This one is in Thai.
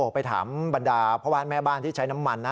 ไปถามบรรดาพ่อบ้านแม่บ้านที่ใช้น้ำมันนะ